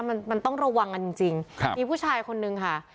มันมันต้องระวังกันจริงจริงครับมีผู้ชายคนนึงค่ะ